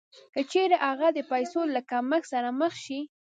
که چېرې هغه د پیسو له کمښت سره مخ شي